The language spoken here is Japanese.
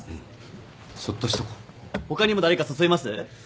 他にも誰か誘います？